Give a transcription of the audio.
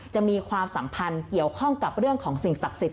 มีความสัมพันธ์เกี่ยวข้องกับเรื่องของสิ่งศักดิ์สิทธ